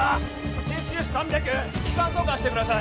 ＪＣＳ３００気管挿管してください